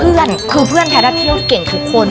เพื่อนคือเพื่อนแพทย์เที่ยวเก่งทุกคน